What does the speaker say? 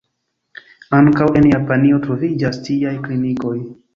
Ankaŭ en Japanio troviĝas tiaj klinikoj.